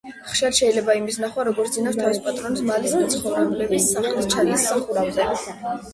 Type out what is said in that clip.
ხშირად შეიძლება იმის ნახვა, როგორ სძინავს თავისი პატრონის, მალის მცხოვრებლების, სახლის ჩალის სახურავზე.